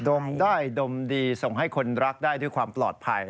มได้ดมดีส่งให้คนรักได้ด้วยความปลอดภัย